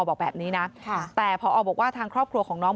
บอกแบบนี้นะแต่พอบอกว่าทางครอบครัวของน้อง